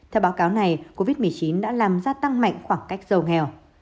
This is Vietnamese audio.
theo báo cáo này covid một mươi chín đã làm gia tăng mạnh khoảng cách giàu nghèo